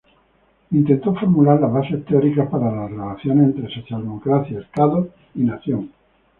Intentó formular las bases teóricas para las relaciones entre socialdemocracia, Estado y nación.